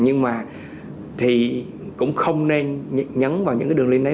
nhưng mà thì cũng không nên nhấn vào những cái đường link đấy